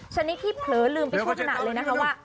ฉะนั้นพี่เผลอลืมไปทั่วขณะเลยนะคะว่า